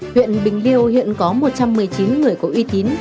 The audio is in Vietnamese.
huyện bình liêu hiện có một trăm một mươi chín người có uy tín